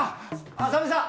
浅見さん。